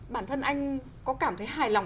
bản thân anh có cảm thấy hài lòng